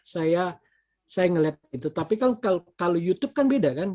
saya ngeliat itu tapi kalau youtube kan beda kan